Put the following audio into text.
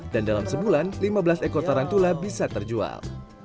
dan dalam sebulan lima belas ekor tarantula bisa terjual